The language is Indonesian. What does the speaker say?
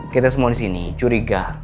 kita semua disini curiga